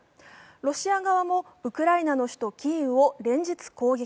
ロシア側もウクライナの首都キーウを連日攻撃。